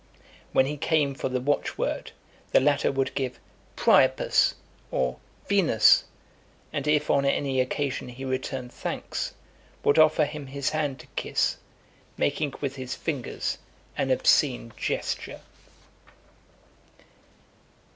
When he came for the watchword, the latter would give "Priapus," or "Venus;" and if on any occasion he returned thanks, would offer him his hand to kiss, making with his fingers an obscene gesture.